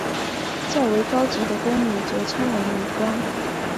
较为高级的宫女则称为女官。